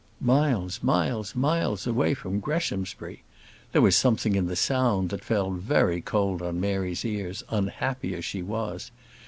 Miles, miles, miles away from Greshamsbury! There was something in the sound that fell very cold on Mary's ears, unhappy as she was.